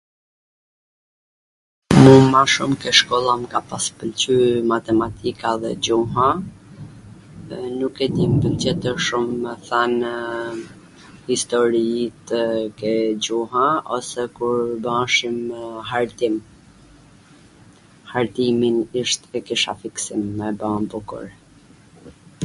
Mw shum ke shkolla mw ka pas pwlqy matematika dhe gjuha, dhe nuk e nij tw njwjtwn gjw kshu me thanw historitw ke gjuha ose kur bajshim hartim. Hartimin ishte e kisha fiksim me e ba bukur.